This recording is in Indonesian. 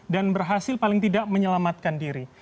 dan berhasil paling tidak menyelamatkan diri